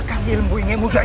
ia lagi mengap earth